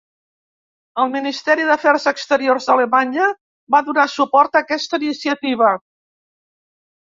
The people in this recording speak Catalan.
El Ministeri d'Afers Exteriors d'Alemanya va donar suport a aquesta iniciativa.